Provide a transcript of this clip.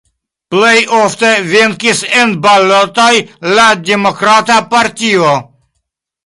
Plej ofte venkis en balotoj la Demokrata Partio.